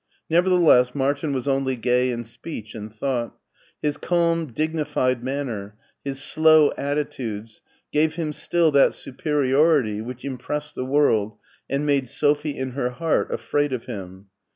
Nevertheless, Martin was only gay in speech and thought ; his calm, dignified manner, his slow attitudes, gave him still that superiority which impressed the world and made Sophie in her heart afraid of him.